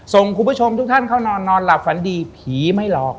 คุณผู้ชมทุกท่านเข้านอนนอนหลับฝันดีผีไม่หลอก